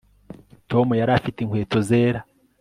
tom yari afite inkweto zera